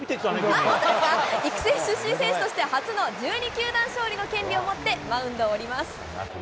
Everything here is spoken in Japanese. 育成出身選手として、初の１２球団勝利の権利を持ってマウンドを降ります。